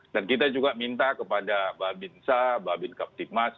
dan kita juga minta kepada mbak bin sa mbak bin kapitik mas